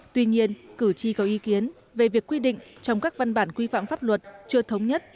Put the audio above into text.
tuy nhiên cử tri có ý kiến về việc quy định trong các văn bản quy phạm pháp luật chưa thống nhất